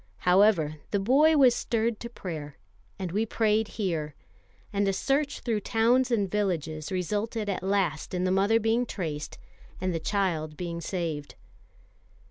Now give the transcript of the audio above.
However, the boy was stirred to prayer, and we prayed here; and a search through towns and villages resulted at last in the mother being traced and the child being saved.